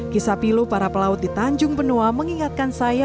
kisah pilu para pelaut di tanjung benoa mengingatkan saya